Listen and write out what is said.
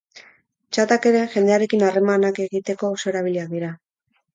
Txatak ere jendearekin harremanak egiteko oso erabiliak dira.